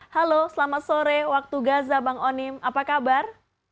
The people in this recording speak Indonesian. halo selamat sore waktu gaza bang onim apa kabar